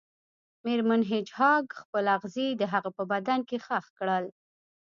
میرمن هیج هاګ خپل اغزي د هغه په بدن کې ښخ کړل